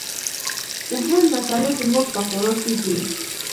د هند مسالې زموږ په خوړو کې دي.